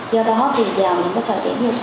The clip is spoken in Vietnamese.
do đó thì vào những cái thời điểm như thế